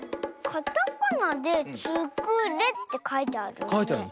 カタカナで「ツクレ」ってかいてあるね。